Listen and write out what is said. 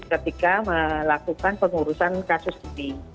ketika melakukan pengurusan kasus ini